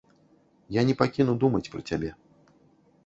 Я не пакіну думаць пра цябе.